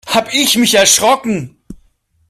Habe ich mich erschrocken!